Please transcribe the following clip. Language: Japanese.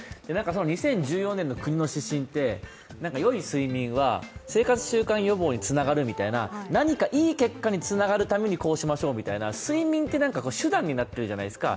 ２０１４年の国の指針って、何か良い睡眠は、生活習慣病予防につながるみたいな何かいい結果につながるためにこうしましょうみたいな、睡眠って手段になっているじゃないですか。